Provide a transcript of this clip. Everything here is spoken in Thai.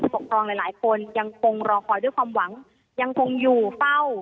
ปกครองหลายคนยังคงรอคอยด้วยความหวังยังคงอยู่เฝ้า